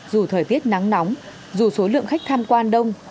dù thời tiết nắng nóng dù số lượng khách tham quan đông